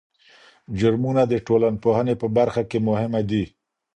جرمونه د ټولنپوهني په برخه کې مهمه دي.